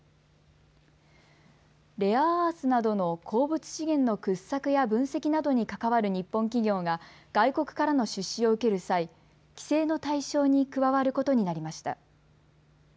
レアアースなどの鉱物資源の掘削や分析などに関わる日本企業が外国からの出資を受ける際、規制の対象に加わることになりました。